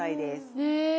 へえ。